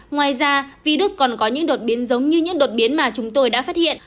ngoài ra virus còn có những đột biến giống như những đột biến mà chúng tôi đã phát hiện